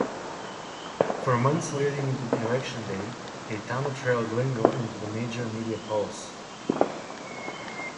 For months leading into election day, Cayetano trailed Lingle in the major media polls.